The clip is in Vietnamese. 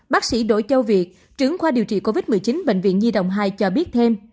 bác sĩ đỗ châu việt trưởng khoa điều trị covid một mươi chín bệnh viện nhi đồng hai cho biết thêm